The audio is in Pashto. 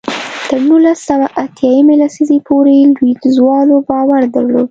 تر نولس سوه اتیا یمې لسیزې پورې لوېدیځوالو باور درلود.